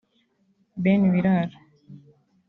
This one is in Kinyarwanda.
Ben Biraaro